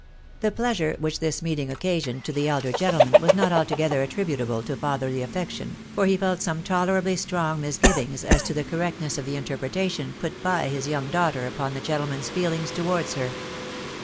The pleasure which this meeting occasioned to the elder gentleman was not altogether attributable to fatherly affection, for he felt some tolerably strong misgivings as to the correct ness of the interpretation put by his young daughter upon the gentleman's feelings towards her.